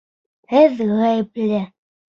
Һеҙ ғәйепле!